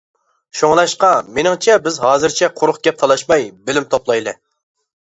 شۇڭلاشقا، مېنىڭچە بىز ھازىرچە قۇرۇق گەپ تالاشماي، بىلىم توپلايلى.